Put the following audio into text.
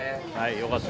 よかった。